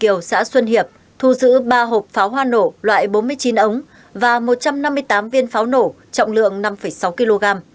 kiều xã xuân hiệp thu giữ ba hộp pháo hoa nổ loại bốn mươi chín ống và một trăm năm mươi tám viên pháo nổ trọng lượng năm sáu kg